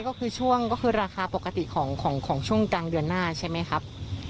อ๋อก็คืออันนี้ก็คือราคาปกติของช่วงจังเดือนหน้าใช่ไหมครับ